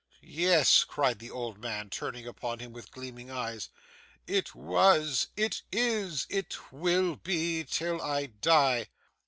'Yes,' cried the old man, turning upon him with gleaming eyes, 'it was. It is. It will be, till I die.